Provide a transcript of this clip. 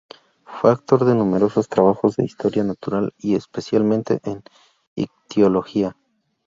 Fue autor de numerosos trabajos de historia natural y especialmente en ictiología.